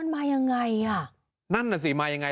มันมายังไง